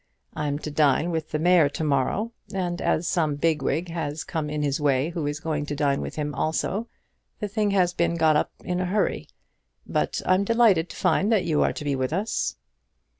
I'm to dine with the mayor to morrow, and as some big wig has come in his way who is going to dine with him also, the thing has been got up in a hurry. But I'm delighted to find that you are to be with us."